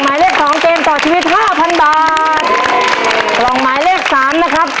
หนึ่งล้านหนึ่งล้าน